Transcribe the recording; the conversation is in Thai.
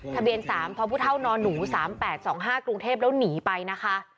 ทะเบียน๓พพนหนู๓๘๒๕กรุงเทพแล้วหนีไปนะคะ